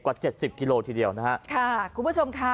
เจ็ดสิบกิโลทีเดียวนะฮะค่ะคุณผู้ชมค่ะ